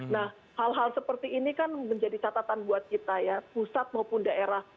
nah hal hal seperti ini kan menjadi catatan buat kita ya pusat maupun daerah